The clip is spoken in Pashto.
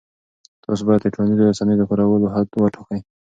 تاسو باید د ټولنیزو رسنیو د کارولو حد وټاکئ.